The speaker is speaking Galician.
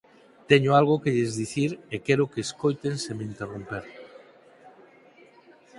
Teño algo que lles dicir e quero que escoiten sen me interromper...